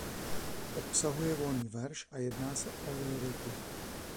Obsahuje volný verš a jedná se o lyriku.